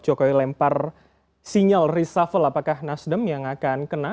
jokowi lempar sinyal reshuffle apakah nasdem yang akan kena